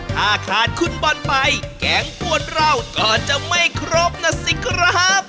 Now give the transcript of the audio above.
ถ้าขาดคุณบอลไปแกงปวนเราก็จะไม่ครบนะสิครับ